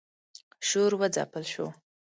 شور و ځپل شو.